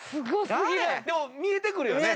でも見えてくるよね。